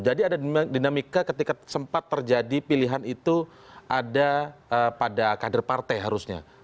jadi ada dinamika ketika sempat terjadi pilihan itu ada pada kader partai harusnya